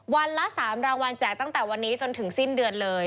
วันละ๓รางวัลแจกตั้งแต่วันนี้จนถึงสิ้นเดือนเลย